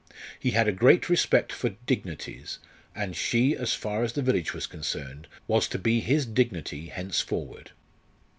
He had a great respect for "dignities," and she, as far as the village was concerned, was to be his "dignity" henceforward.